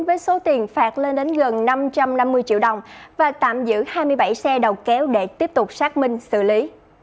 với số tiền phạt lên đến gần năm trăm năm mươi triệu đồng và tạm giữ hai mươi bảy xe đầu kéo để tiếp tục xác minh xử lý